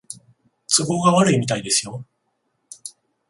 都合が悪いみたいですよ